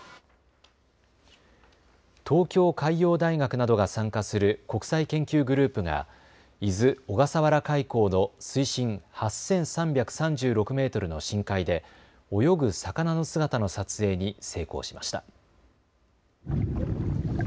東京海洋大学などが参加する国際研究グループが伊豆・小笠原海溝の水深８３３６メートルの深海で泳ぐ魚の姿の撮影に成功しました。